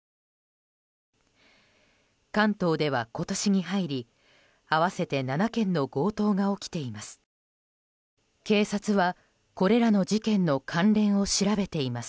関東では今年に入り合わせて７件の強盗が起きています。